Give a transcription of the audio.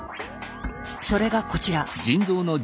それがこちら。